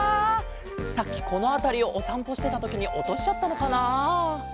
さっきこのあたりをおさんぽしてたときにおとしちゃったのかな。